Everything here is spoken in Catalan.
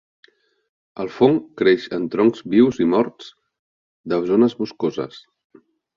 El fong creix en troncs vius i morts de zones boscoses.